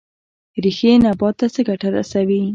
ریښې نبات ته څه ګټه رسوي؟